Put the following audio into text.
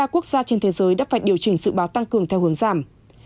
một trăm bốn mươi ba quốc gia trên thế giới đã phải điều chỉnh dự báo tăng cường theo hướng giảm